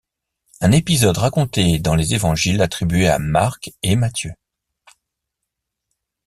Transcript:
Un épisode raconté dans les évangiles attribués à Marc et Matthieu.